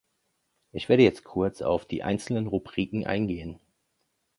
Ich werde jetzt kurz auf die einzelnen Rubriken eingehen.